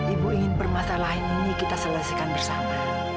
ibu ingin permasalahan ini kita selesaikan bersama